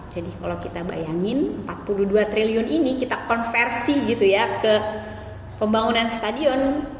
jadi kalau kita bayangin empat puluh dua triliun ini kita konversi ke pembangunan stadion